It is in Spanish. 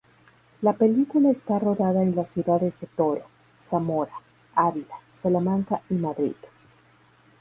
La película está rodada en las ciudades de Toro, Zamora, Ávila, Salamanca y Madrid.